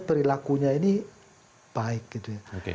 perilakunya ini baik gitu ya